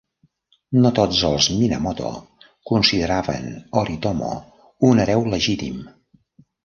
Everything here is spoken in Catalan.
No tots els Minamoto consideraven Yoritomo un hereu legítim.